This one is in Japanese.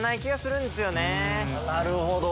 なるほど。